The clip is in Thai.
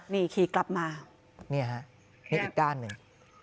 นี่อีกด้านหนึ่ง